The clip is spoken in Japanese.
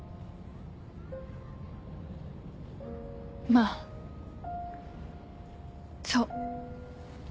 まぁそう。